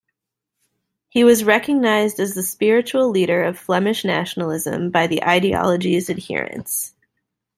He was recognised as the spiritual leader of Flemish nationalism by the ideology's adherents.